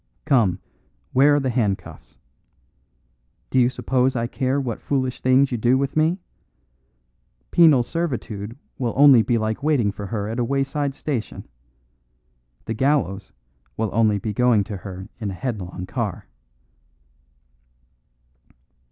Come, where are the handcuffs? Do you suppose I care what foolish things you do with me? Penal servitude will only be like waiting for her at a wayside station. The gallows will only be going to her in a headlong car."